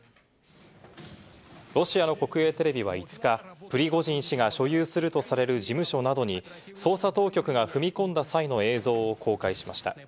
ロシアの国営テレビは５日、プリゴジン氏が所有するとされる事務所などに捜査当局が踏み込んだ際の映像を公開しました。